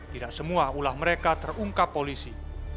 tidak semua ulah mereka terungkap polisi